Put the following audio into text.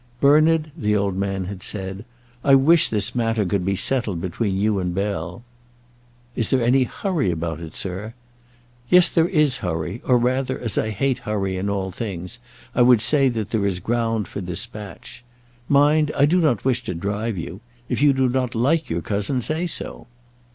"Bernard," the old man had said, "I wish this matter could be settled between you and Bell." "Is there any hurry about it, sir?" "Yes, there is hurry; or, rather, as I hate hurry in all things, I would say that there is ground for despatch. Mind, I do not wish to drive you. If you do not like your cousin, say so."